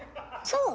そう？